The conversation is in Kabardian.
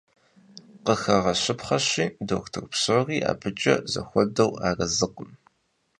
Къыхэгъэщыпхъэщи, дохутыр псори абыкӀэ зэхуэдэу арэзыкъым.